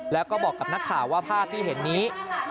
แล้วก็บอกกับนักข่าวว่าภาพที่เห็นนี้